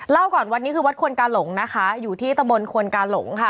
เล่าก่อนวัดนี้คือวัดควรกาหลงนะคะอยู่ที่ตะบนควนกาหลงค่ะ